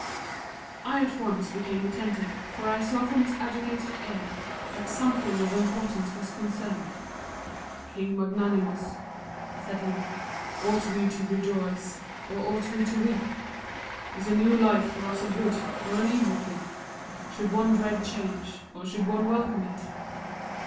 I at once became attentive, for I saw from his agitated air that something of importance was concerned. "King Magnanimous," said he, "ought we to rejoice or ought we to weep? Is a new life for us a good, or an evil thing? Should one dread change, or should one welcome it?